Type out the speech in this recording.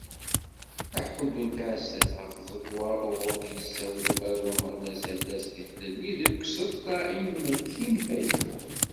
Aḥuddu d tɛessast ɣef tẓegwa uɣur i d-yessawel umaru ameɣnas Allas Di Tlelli deg uẓeṭṭa inmetti n Facebook.